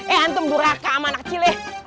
eh antum durhaka sama anak kecil ya